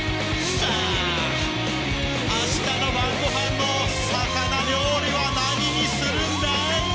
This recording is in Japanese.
さあ、あしたの晩ごはんの魚料理は何にするんだい？